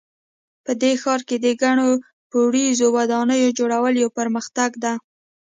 په دې ښار کې د ګڼ پوړیزو ودانیو جوړول یو پرمختګ ده